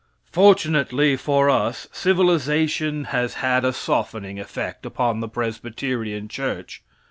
Fortunately for us, civilization has had a softening effect upon the Presbyterian church.